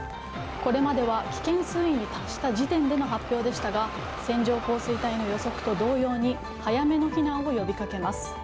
これまでは危険水位に達した時点での発表でしたが線状降水帯の予測と同様に早めの避難を呼びかけます。